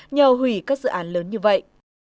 nhờ hủy các dự án lớn như vậy